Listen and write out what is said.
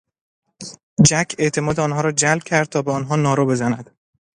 جک اعتماد آنها را جلب کرد تا به آنها نارو بزند.